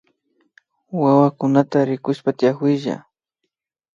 Wawakunata rikushpa tiakuylla